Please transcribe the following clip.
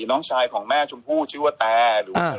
น้องชายของแม่ชมพู่ชื่อว่าแต่